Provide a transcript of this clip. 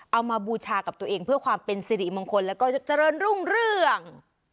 มาบูชากับตัวเองเพื่อความเป็นสิริมงคลแล้วก็เจริญรุ่งเรื่อง